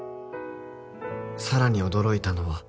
「さらに驚いたのは」